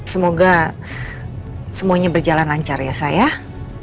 semoga semuanya berjalan lancar ya saya